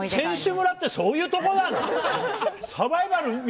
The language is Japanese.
選手村ってそういうとこなの？